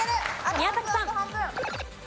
宮崎さん。